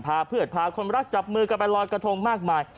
พาเพื่อนพาคนรักจับมือกันไปลอยกระทงมากมาย